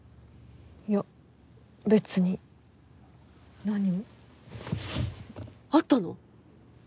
いや別に何も。あったの！？